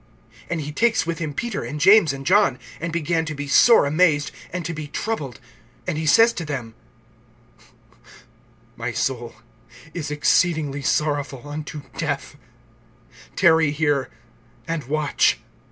(33)And he takes with him Peter and James and John, and began to be sore amazed, and to be troubled. (34)And he says to them: My soul is exceedingly sorrowful, unto death; tarry here, and watch.